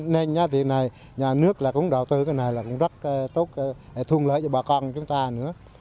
nên nhà nước cũng đầu tư cái này là cũng rất tốt thương lợi cho bà con chúng ta nữa